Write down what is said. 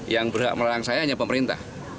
yang berhak melarang saya hanya pemerintah